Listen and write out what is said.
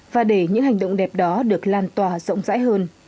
và để những hành động đẹp đó được lan tỏa rộng rãi hơn